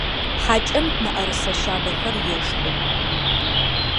Хьакӏэм мыӏэрысэ шъабэхэр ешхы.